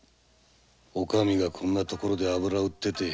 おかみがこんな所で油売ってて。